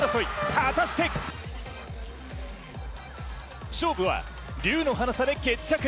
果たして勝負は龍のハナ差で決着。